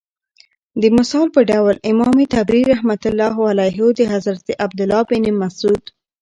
دمثال په ډول امام طبري رحمة الله عليه دحضرت عبدالله بن مسعود